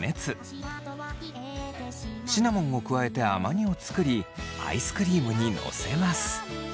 シナモンを加えて甘煮を作りアイスクリームに載せます。